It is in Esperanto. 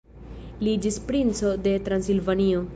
Li iĝis princo de Transilvanio.